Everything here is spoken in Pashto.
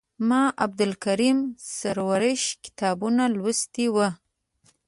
ما د عبدالکریم سروش کتابونه لوستي وو.